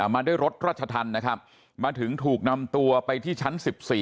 มาด้วยรถรัชธรรมนะครับมาถึงถูกนำตัวไปที่ชั้น๑๔